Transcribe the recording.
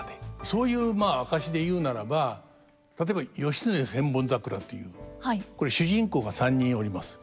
そういう証しで言うならば例えば「義経千本桜」というこれ主人公が３人おります。